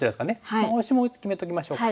このオシも決めときましょうか。